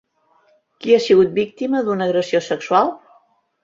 Qui ha sigut víctima d'una agressió sexual?